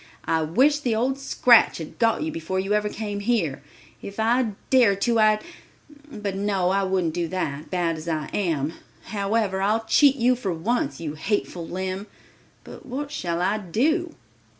I wish the Old Scratch had got you before you ever came here. If I dared to I'd—but no, I wouldn't do that, bad as I am. However, I'll cheat you for once, you hateful limb! But what shall I do?"